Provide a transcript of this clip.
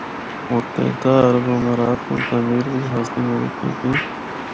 متحدہ عرب امارات سنڑ تعمیر بچ خاصی مدد کیتی۔